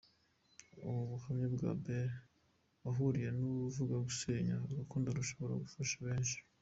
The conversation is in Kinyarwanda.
Ubu buhamya bwa Bella wahuriye n’uruva gusenya mu rukundo bushobora gufasha benshi.